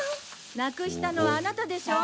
なくしたのはアナタでしょ。